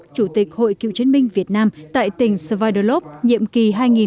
của chủ tịch hội cựu chiến binh việt nam tại tỉnh svirlovsk nhiệm kỳ hai nghìn một mươi chín hai nghìn hai mươi hai